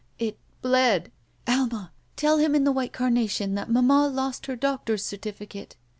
"It bled. Alma, tell him in the white carnation that mamma lost her doctor's certificate.